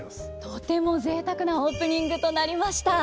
とてもぜいたくなオープニングとなりました。